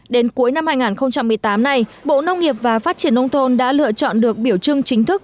đến cuối năm hai nghìn một mươi tám này bộ nông nghiệp và phát triển nông thôn đã lựa chọn được biểu trưng chính thức